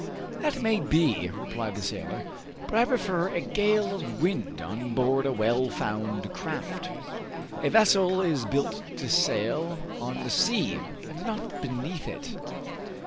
"That may be," replied the sailor, "but I prefer a gale of wind on board a well found craft. A vessel is built to sail on the sea, and not beneath it."